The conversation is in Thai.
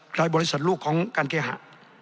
บริษัทลูกของการเคหะ